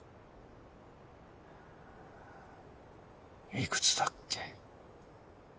いくつだっけ？